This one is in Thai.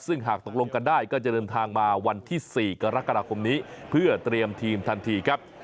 ซึ่งหากตกลงกันได้ก็จะเดินทางมาวันที่๔กรกฎาคมนี้เพื่อเตรียมทีมทันทีครับ